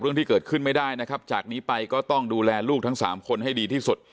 นี้ยังได้